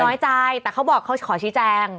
น้อยใจแต่เขาบอกเขาขอชี้แจง